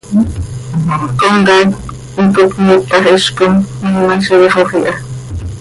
Comcaac iicot miitax hizcom, ma imaziixoj iha.